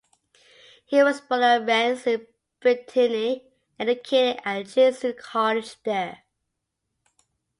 He was born at Rennes, in Brittany, and educated at a Jesuit college there.